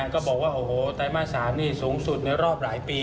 ก็บอกว่าโอ้โฮไตม่าตรซ้ำนี่สูงสุดในรอบหลายปีนะ